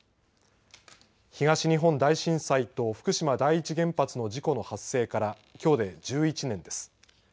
東日本大震災と福島第一原発の事故の発生からきょうで１１年です。